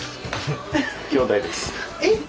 えっ？